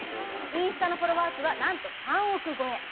インスタのフォロワー数はなんと３億超え。